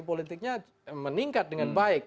politiknya meningkat dengan baik